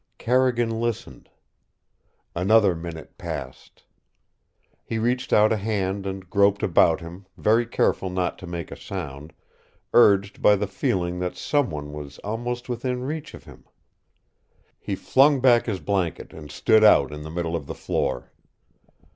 Carrigan listened. Another minute passed. He reached out a hand and groped about him, very careful not to make a sound, urged by the feeling that some one was almost within reach of him. He flung back his blanket and stood out in the middle of the floor.